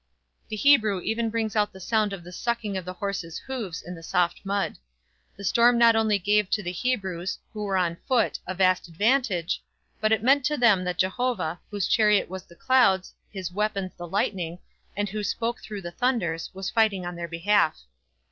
The Hebrew even brings out the sound of the sucking of the horses' hoofs in the soft mud. The storm not only gave to the Hebrews, who were on foot, a vast advantage, but it meant to them that Jehovah, whose chariot was the clouds, his weapons, the lightning, and who spoke through the thunders, was fighting in their behalf.